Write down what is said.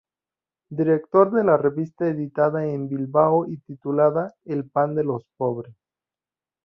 Director de la revista editada en Bilbao y titulada "El Pan de los Pobres".